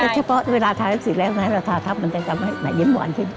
เฉพาะเวลาทาหนังสือแรกไม้เราทาทับมันจะทำให้ยิ้มหวานขึ้น